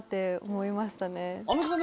アンミカさん